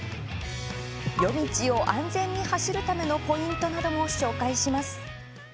夜道を安全に走るためのポイントなども紹介します。